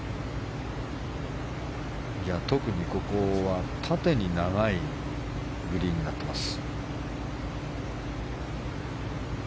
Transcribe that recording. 特に、ここは縦に長いグリーンになっています。